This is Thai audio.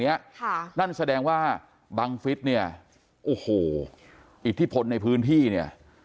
เนี้ยค่ะนั่นแสดงว่าบังฟิศเนี่ยโอ้โหอิทธิพลในพื้นที่เนี่ย